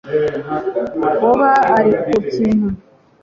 Woba uri ku kintu